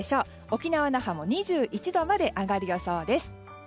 沖縄・那覇も２１度まで上がる予想です。